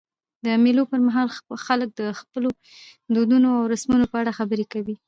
د مېلو پر مهال خلک د خپلو دودونو او رسمونو په اړه خبري کوي.